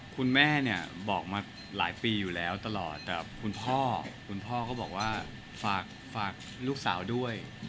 คุณแม่เนี่ยบอกมาหลายปีอยู่แล้วตลอดแต่คุณพ่อคุณพ่อก็บอกว่าฝากลูกสาวด้วย